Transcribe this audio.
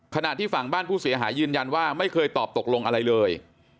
ขณะที่ฝั่งบ้านผู้เสียหายยืนยันว่าไม่เคยตอบตกลงอะไรเลย